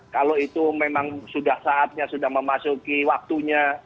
kalau itu memang sudah saatnya sudah memasuki waktunya